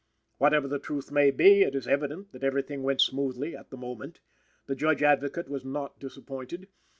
Whatever the truth may be, it is evident that everything went smoothly at the moment. The Judge Advocate was not disappointed.